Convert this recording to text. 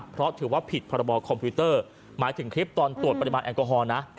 เพราะถือว่าผิดพรบคอมพิวเตอร์หมายถึงคลิปตอนตรวจปริมาณแอลกอฮอลนะ